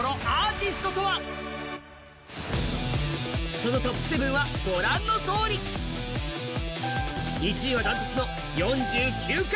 そのトップ７はご覧のとおり１位はダントツの４９回！